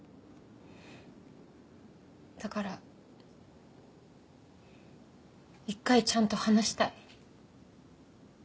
だから一回ちゃんと話したい。